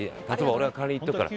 俺が代わりに言っとくから。